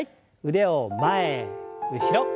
腕を前後ろ。